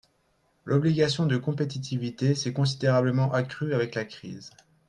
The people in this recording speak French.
L’obligation de compétitivité s’est considérablement accrue avec la crise.